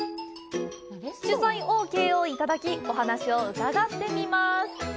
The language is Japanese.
取材オーケーをいただき、お話を伺ってみます。